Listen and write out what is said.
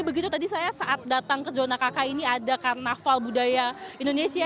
begitu tadi saya saat datang ke zona kk ini ada karnaval budaya indonesia